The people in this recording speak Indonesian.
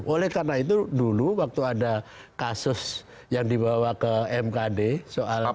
oleh karena itu dulu waktu ada kasus yang dibawa ke mkd soal